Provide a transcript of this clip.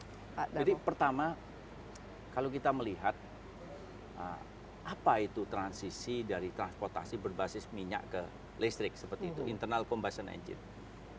jadi pertama kalau kita melihat apa itu transisi dari transportasi berbasis minyak ke listrik seperti itu internal combustion engine